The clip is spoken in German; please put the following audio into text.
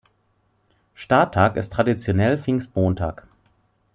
Starttag ist traditionell Pfingstmontag.